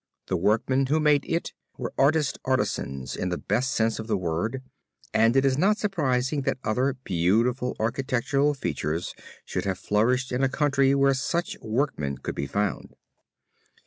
The workmen who made it were artist artisans in the best sense of the word and it is not surprising that other beautiful architectural features should have flourished in a country where such workmen could be found.